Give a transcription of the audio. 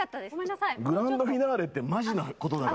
グランドフィナーレってマジなことだから。